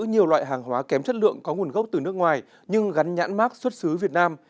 nhiều loại hàng hóa kém chất lượng có nguồn gốc từ nước ngoài nhưng gắn nhãn mắc xuất xứ việt nam